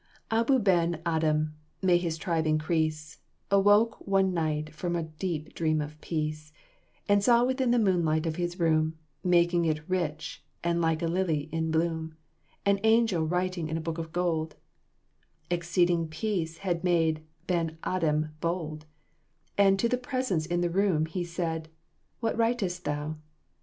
"Abou Ben Adhem (may his tribe increase) Awoke one night from a deep dream of peace, And saw within the moonlight of his room, Making it rich and like a lily in bloom, An angel writing in a book of gold: Exceeding peace had made Ben Adhem bold, And to the presence in the room he said, "What writest thou?"